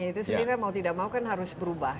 itu sendiri kan mau tidak mau kan harus berubah